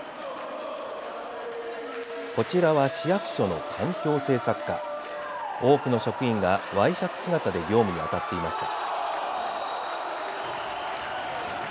こちらは市役所の環境政策課多くの職員がワイシャツ姿で業務に当たっていました。